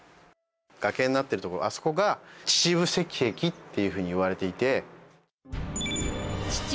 崖になってるところあそこが「秩父赤壁」っていうふうにいわれていて。